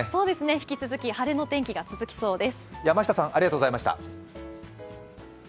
引き続き晴れの天気が続きそうです。